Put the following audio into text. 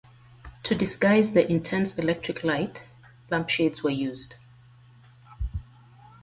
To disguise the intense electric light, lampshades were used.